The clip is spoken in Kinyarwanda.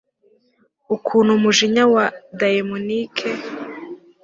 Ukuntu umujinya wa daemonic